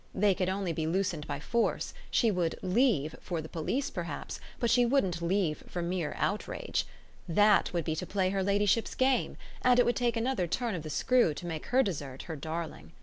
They could only be loosened by force: she would "leave" for the police perhaps, but she wouldn't leave for mere outrage. That would be to play her ladyship's game, and it would take another turn of the screw to make her desert her darling.